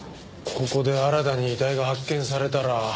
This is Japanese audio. ここで新たに遺体が発見されたら。